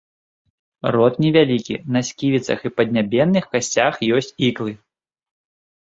Рот невялікі, на сківіцах і паднябенных касцях ёсць іклы.